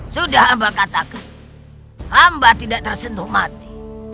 sudah hamba katakan hamba tidak tersentuh mati